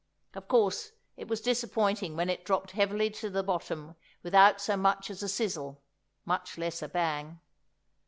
Of course it was disappointing when it dropped heavily to the bottom without so much as a sizzle, much less a bang.